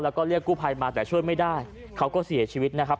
แล้วก็เรียกกู้ภัยมาแต่ช่วยไม่ได้เขาก็เสียชีวิตนะครับ